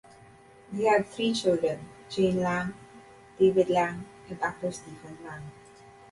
They had three children: Jane Lang, David Lang, and actor Stephen Lang.